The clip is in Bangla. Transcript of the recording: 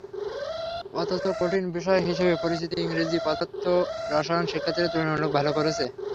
অথচ কঠিন বিষয় হিসেবে পরিচিত ইংরেজি, পদার্থ, রসায়নে শিক্ষার্থীরা তুলনামূলক ভালো করেছে।